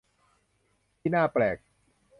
ที่น่าแปลก ?